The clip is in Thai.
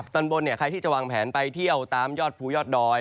ตอนบนใครที่จะวางแผนไปเที่ยวตามยอดภูยอดดอย